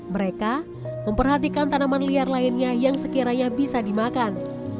mereka memperhatikan tanaman liar lainnya yang sekiranya bisa dimakan